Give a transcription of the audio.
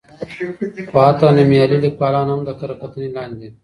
خو حتی نومیالي لیکوالان هم د کره کتنې لاندې دي.